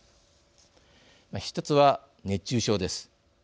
ひとつは熱中症です。